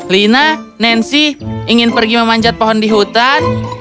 lina nancy ingin pergi memanjat pohon di hutan